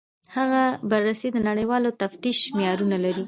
هغه بررسي د نړیوال تفتیش معیارونه لري.